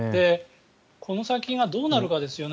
この先がどうなるかですよね。